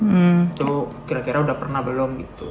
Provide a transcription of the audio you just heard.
itu kira kira udah pernah belum gitu